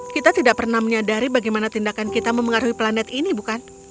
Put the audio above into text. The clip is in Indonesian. kita tidak pernah menyadari bagaimana tindakan kita mempengaruhi planet ini bukan